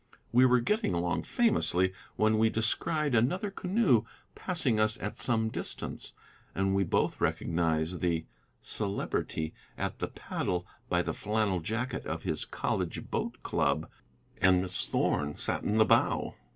We were getting along famously, when we descried another canoe passing us at some distance, and we both recognized the Celebrity at the paddle by the flannel jacket of his college boat club. And Miss Thorn sat in the bow!